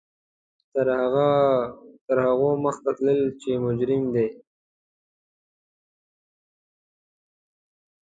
تر هغو مخته تللي چې محروم دي.